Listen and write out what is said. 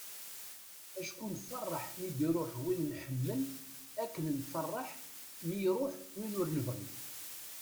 acku nfeṛṛeḥ mi d-iruḥ win nḥemmel akken i nfeṛṛeḥ mi iruḥ win ur nebɣi